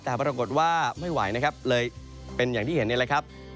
แต่ปรากฏว่าไม่ไหวนะครับเลยเป็นอย่างที่เห็นนี่แหละครับ